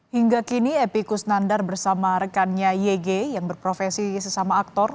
hingga kini epi kusnandar bersama rekannya yg yang berprofesi sesama aktor